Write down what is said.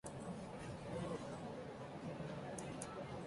Así terminó el período llamado Patria Vieja.